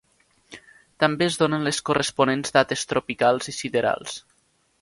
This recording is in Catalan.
També es donen les corresponents dates tropicals i siderals.